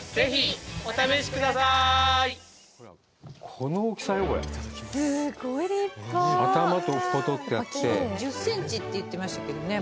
この大きさよこれすごい立派頭と尾っぽ取ってあって１０ｃｍって言ってましたけどね